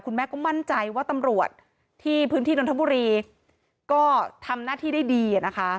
แม่ก็มั่นใจว่าตำรวจที่พื้นที่นนทบุรีก็ทำหน้าที่ได้ดีนะคะ